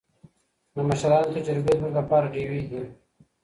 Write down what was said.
د مشرانو تجربې زموږ لپاره ډېوې دي.